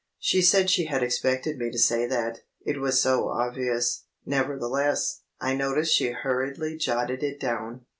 She said she had expected me to say that, it was so obvious. Nevertheless, I noticed she hurriedly jotted it down.